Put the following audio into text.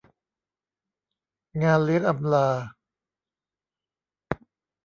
งานเลี้ยงอำลา